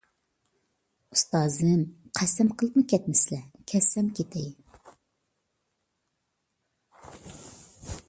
ئۇستازىم، قەسەم قىلىپمۇ كەتمىسىلە، كەتسەم كېتەي.